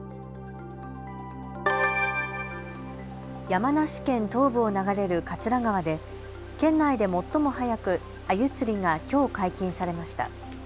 山梨県東部を流れる桂川で県内で最も早くアユ釣りがきょう解禁されました。